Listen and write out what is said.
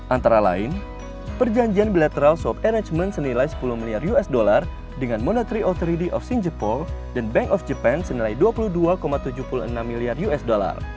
antara lain perjanjian bilateral soft arnagement senilai sepuluh miliar usd dengan monary authority of shing jepang dan bank of japan senilai dua puluh dua tujuh puluh enam miliar usd